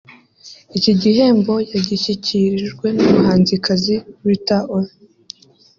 Iki gihembo yagishyikirijwe n’umuhanzikazi Rita Ora